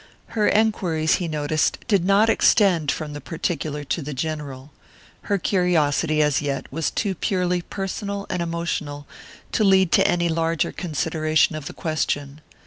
Her enquiries, he noticed, did not extend from the particular to the general: her curiosity, as yet, was too purely personal and emotional to lead to any larger consideration of the question.